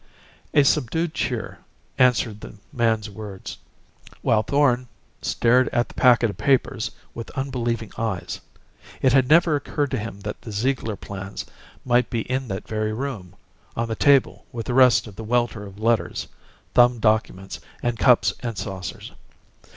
A subdued cheer answered the man's words while Thorn stared at the packet of papers with unbelieving eyes. It had never occurred to him that the Ziegler plans might be in that very room, on the table with the rest of the welter of letters, thumbed documents, and cups and saucers.